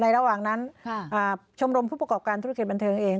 ระหว่างนั้นชมรมผู้ประกอบการธุรกิจบันเทิงเอง